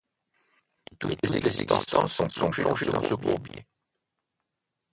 Et toutes les existences sont plongées dans ce bourbier.